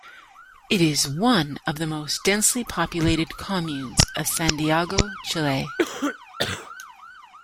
It is one of the most densely populated communes of Santiago, Chile.